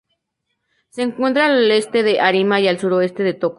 Se encuentra al este de Arima y al suroeste de Toco.